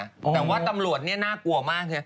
แต่ว่าตำรวจนี่น่ากลัวมาก